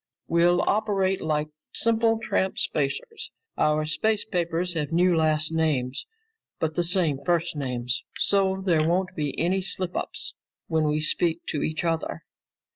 We'll operate like simple tramp spacers. Our space papers have new last names, but the same first names, so there won't be any slip ups when we speak to each other.